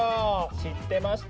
知ってました？